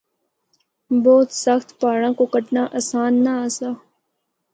بہت سخت پہاڑاں کو کٹنا آسان نہ آسا۔